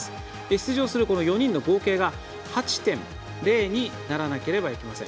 出場する４人の合計が８．０にならないといけません。